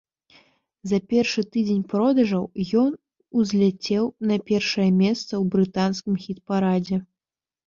За першы тыдзень продажаў ён узляцеў на першае месца ў брытанскім хіт-парадзе.